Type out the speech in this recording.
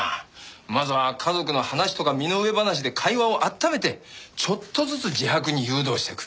まずは家族の話とか身の上話で会話をあっためてちょっとずつ自白に誘導していく。